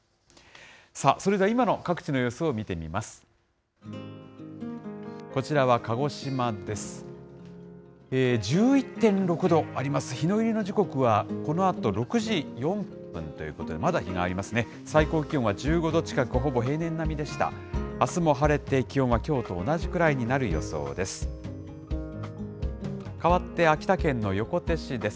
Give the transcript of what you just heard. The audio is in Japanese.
それでは今の各地の様子を見てみます。